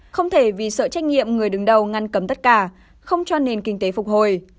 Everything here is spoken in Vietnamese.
không thể vì sợ trách nhiệm người đứng đầu ngăn cấm tất cả không cho nền kinh tế phục hồi